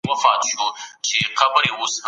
فشار د خوب کیفیت خرابوي.